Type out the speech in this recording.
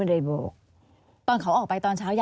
อันดับ๖๓๕จัดใช้วิจิตร